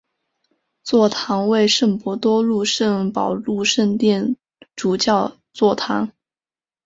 座堂为圣伯多禄圣保禄圣殿主教座堂。